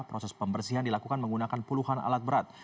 proses pembersihan dilakukan menggunakan puluhan alat berat